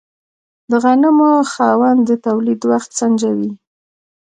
د غنمو خاوند د تولید وخت سنجوي.